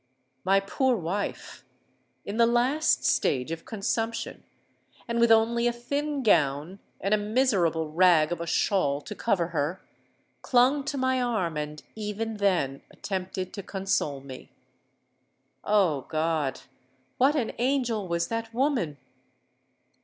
My poor wife—in the last stage of consumption, and with only a thin gown and a miserable rag of a shawl to cover her—clung to my arm, and even then attempted to console me. Oh! God—what an angel was that woman!